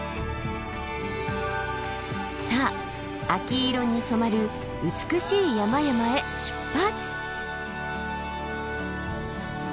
さあ秋色に染まる美しい山々へ出発！